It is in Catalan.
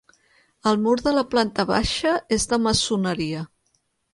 El mur de la planta baixa és de maçoneria.